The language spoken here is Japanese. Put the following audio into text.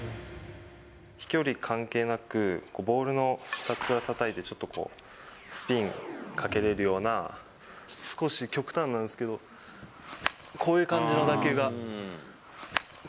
飛距離関係なく、ボールの下をたたいて、ちょっとこう、スピンかけれるような、少し極端なんですけど、こういう感じの打球が。